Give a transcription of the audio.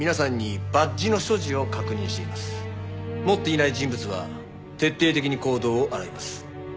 持っていない人物は徹底的に行動を洗います。